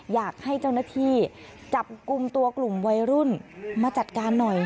อยากให้เจ้าหน้าที่จับกลุ่มตัวกลุ่มวัยรุ่นมาจัดการหน่อย